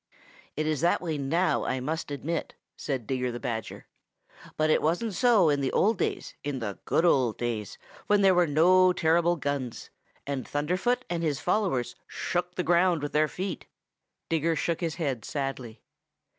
"It is that way now, I must admit," said Digger the Badger, "but it wasn't so in the old days, in the good old days when there were no terrible guns, and Thunderfoot and his followers shook the ground with their feet." Digger shook his head sadly.